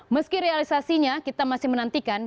meski realisasinya kita masih menantikan